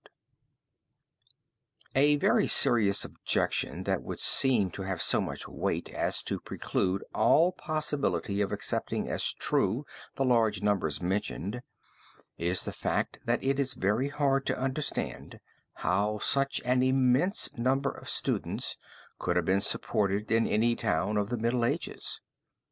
MARK'S VENICE) A very serious objection that would seem to have so much weight as to preclude all possibility of accepting as true the large numbers mentioned, is the fact that it is very hard to understand how such an immense number of students could have been supported in any town of the Middle Ages.